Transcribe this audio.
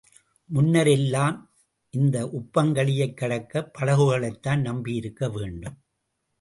முன்னர் எல்லாம் இந்த உப்பங்கழியைக் கடக்க, படகுகளைத்தான் நம்பியிருக்க வேண்டும்.